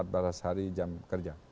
baras hari jam kerja